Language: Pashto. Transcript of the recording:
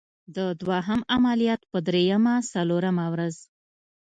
د دوهم عملیات په دریمه څلورمه ورځ.